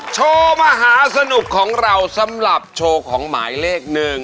โชว์มหาสนุกของเราสำหรับโชว์ของหมายเลขหนึ่ง